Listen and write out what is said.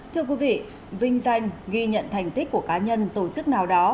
thưa quý vị vinh danh ghi nhận thành tích của cá nhân tổ chức nào đó